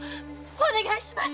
お願いします！